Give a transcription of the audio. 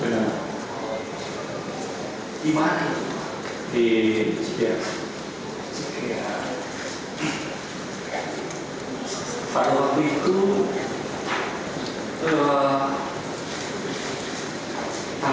tangkapannya dari pak spg bahwa ini bisa untuk menunjukkan keadaan